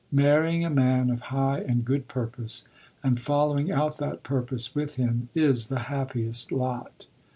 "Marrying a man of high and good purpose, and following out that purpose with him is the happiest" lot.